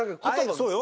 そうよ。